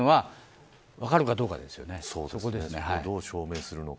それをどう証明するのか。